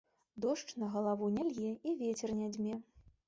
Дождж на галаву не лье і вецер не дзьме.